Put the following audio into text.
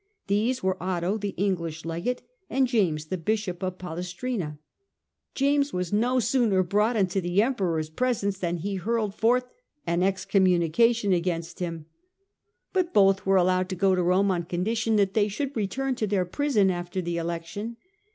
These were Otho, the English Legate, and James, the Bishop of Palestrina. James was no sooner brought into the Emperor's presence than he hurled forth an excommunication against him : but 204 STUPOR MUNDI both were allowed to go to Rome on condition that they should return to their prison after the election.